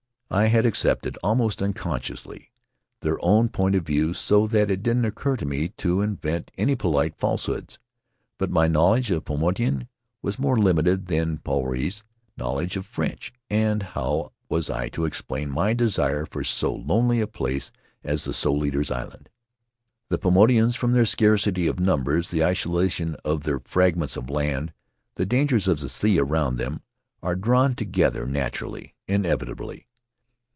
I had accepted, almost unconsciously, their own point of view, so that it didn't occur to me to invent any polite falsehoods. But my knowledge of Paumo tuan was more limited than Paurei's knowledge of French, and how was I to explain my desire for so lonely a place as the Soul Eaters' Island? The Pau motuans, from their scarcity of numbers, the isolation of their fragments of land, the dangers of the sea around them, are drawn together naturally, inevitably.